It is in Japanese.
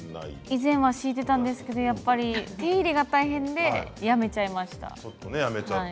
以前は敷いていたんですが手入れが大変でやめちゃいました。